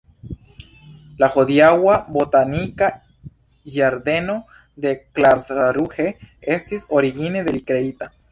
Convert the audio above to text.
La hodiaŭa botanika ĝardeno de Karlsruhe estis origine de li kreita.